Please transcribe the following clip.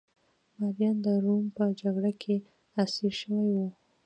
مریان د روم په جګړه کې اسیر شوي وو